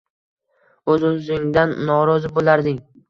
O’z-o’zingdan norozi bo’larding.